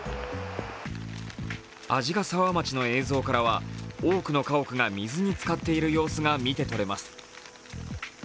鰺ヶ沢町の映像からは多くの家屋が水に浸かっている様子が見てとれます。